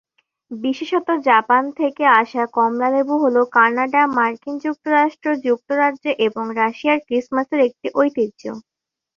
বিশেষত জাপান থেকে আসা কমলা লেবু হল কানাডা, মার্কিন যুক্তরাষ্ট্র, যুক্তরাজ্য এবং রাশিয়ার ক্রিসমাসের একটি ঐতিহ্য।